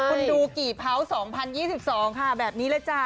คุณดูกี่เผา๒๐๒๒ค่ะแบบนี้เลยจ้ะ